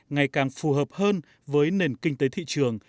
ngày càng phù hợp hơn với nền kinh tế thị trường